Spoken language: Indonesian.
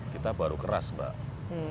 kita baru keras mbak